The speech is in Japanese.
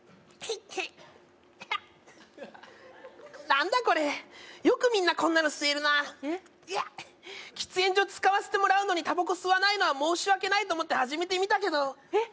何だこれよくみんなこんなの吸えるな喫煙所使わせてもらうのにタバコ吸わないのは申し訳ないと思って始めてみたけどえっ？